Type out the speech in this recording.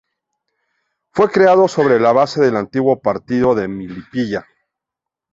Fue creado sobre la base del antiguo Partido de Melipilla.